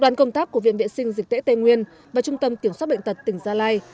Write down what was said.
đoàn công tác của viện vệ sinh dịch tễ tây nguyên và trung tâm kiểm soát bệnh tật tỉnh gia lai